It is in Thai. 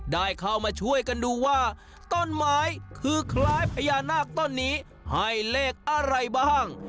ได้เข้ามาช่วยกันดูว่าต้นไม้คือคล้ายพญานาคต้นนี้ให้เลขอะไรบ้าง